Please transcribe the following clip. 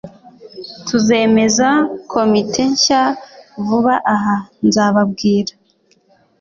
Tuzemeza komite nshya vuba aha nzababwira